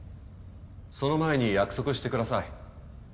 その前に約束してください。